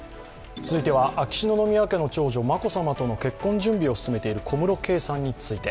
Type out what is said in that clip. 続いては秋篠宮家の長女・眞子さまとの結婚準備を進めている小室圭さんについて。